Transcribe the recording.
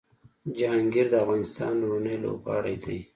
جهانګیر د افغانستان لومړنی لوبغاړی دی